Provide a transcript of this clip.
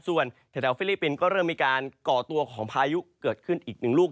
ส่วนแถวฟิลิปปินส์ก็เริ่มมีการก่อตัวของพายุเกิดขึ้นอีกหนึ่งลูก